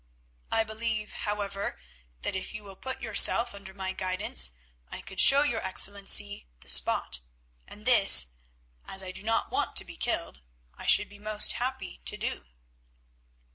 I believe, however, that if you will put yourself under my guidance I could show your Excellency the spot, and this, as I do not want to be killed, I should be most happy to do."